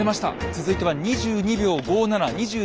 続いては２２秒５７２２秒５７！